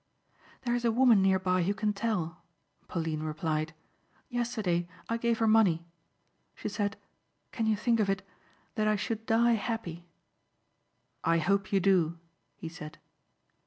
"There is a woman nearby who can tell," Pauline replied, "Yesterday I gave her money. She said can you think of it that I should die happy." "I hope you do," he said.